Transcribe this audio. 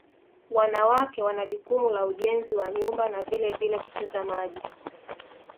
Wanawake wana jukumu la ujenzi wa nyumba na vilevile kuchota maji